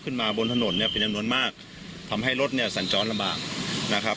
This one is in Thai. ขึ้นมาบนถนนเนี่ยเป็นอำนวณมากทำให้รถเนี่ยสั่งจ้อนลำบากนะครับ